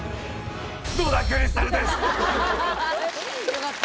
よかった。